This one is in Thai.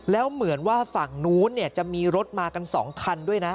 แล้วเหมือนว่าฝั่งนู้นจะมีรถมากัน๒คันด้วยนะ